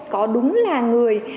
có đúng là người